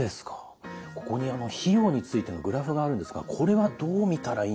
ここに費用についてのグラフがあるんですがこれはどう見たらいいんでしょうか？